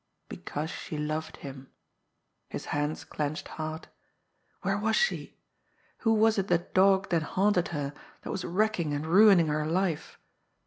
Because she loved him! His hands clenched hard. Where was she? Who was it that dogged and haunted her, that was wrecking and ruining her life?